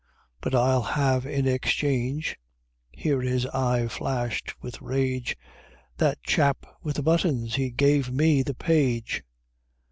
But I'll have in exchange" here his eye flashed with rage "That chap with the buttons he gave me the Page!"